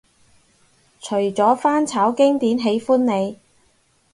除咗翻炒經典喜歡你